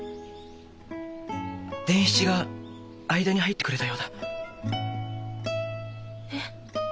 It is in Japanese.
伝七が間に入ってくれたようだ。え？